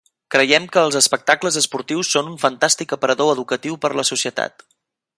Creiem que els espectacles esportius són un fantàstic aparador educatiu per a la societat.